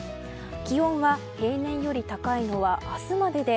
気温は平年より高いのは明日までで